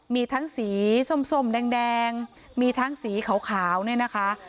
มีทั้งสีส้มแดงมีทั้งสีขาวเนี่ยนะคะ